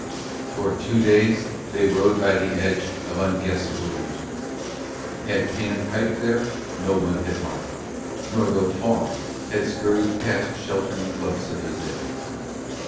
For two days they rode by the edge of unguessable regions. Had Pan piped there no one had marvelled, nor though fauns had scurried past sheltering clumps of azaleas.